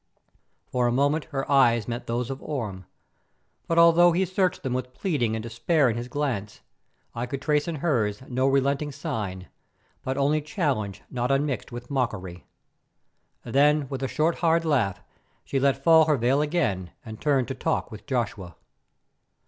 For a moment her eyes met those of Orme, but although he searched them with pleading and despair in his glance, I could trace in hers no relenting sign, but only challenge not unmixed with mockery. Then with a short, hard laugh she let fall her veil again and turned to talk with Joshua.